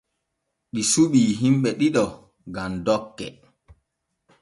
Ɗi suɓii himbe ɗiɗo gam dokke.